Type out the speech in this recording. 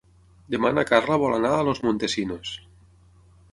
Demà na Carla vol anar a Los Montesinos.